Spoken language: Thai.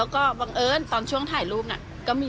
ก็จะขายลูกค้า